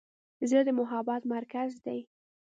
زړه د محبت مرکز دی.